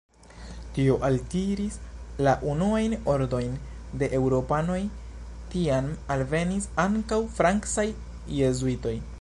Tio altiris la unuajn ondojn de eŭropanoj, tiam alvenis ankaŭ francaj jezuitoj.